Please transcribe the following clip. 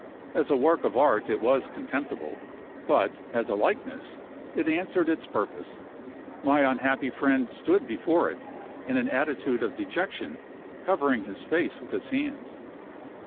As a work of art it was contemptible; but, as a likeness, it answered its purpose. My unhappy friend stood before it, in an attitude of dejection, covering his face with his hands.